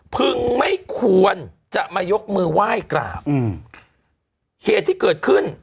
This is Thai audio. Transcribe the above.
พึงไม่ควรจะมายกมือไหว้กราบอืมเหตุที่เกิดขึ้น